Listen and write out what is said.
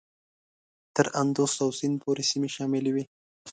تر اندوس او سیند پورې سیمې شاملي وې.